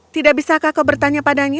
tidak bisa kakak bertanya padanya